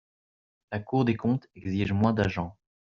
La Cour des comptes exige moins d’agents.